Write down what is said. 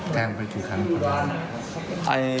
แทงไปกี่ครั้งครั้ง